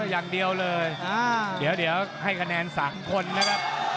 อย่างเดียวเลยเดี๋ยวให้คะแนน๓คนนะครับ